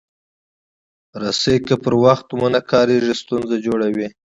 رسۍ که پر وخت ونه کارېږي، ستونزه جوړوي.